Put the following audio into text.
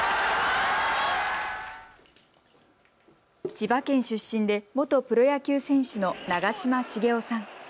千葉県出身で元プロ野球選手の長嶋茂雄さん。